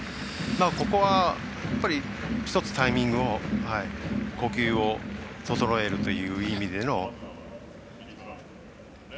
ここは１つタイミングを呼吸を整えるという意味での。